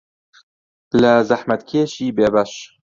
لە زەحمەتکێشی بێبەش